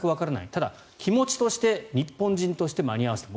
ただ、気持ちとして日本人として間に合わせたい。